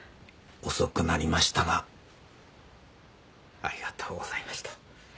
遅くなりましたがありがとうございました。